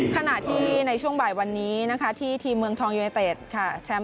ขณะที่ในช่วงบ่ายวันนี้ที่ทีมเมืองทองยูเนตเตส